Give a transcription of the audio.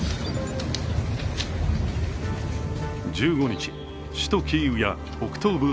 １５日、首都キーウや北東部